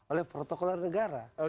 oleh protokol dari negara